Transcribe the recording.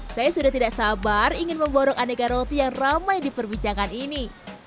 saya sudah tidak sabar ingin memborok aneka roti yang ramai di perbincangan ini